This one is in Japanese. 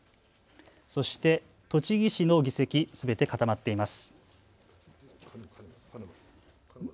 そして栃木市の議席、すべて固まっています。